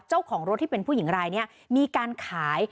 เจ้าของรถที่เป็นผู้หญิงรายนี้มีการขาย